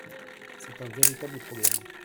C’est un véritable problème.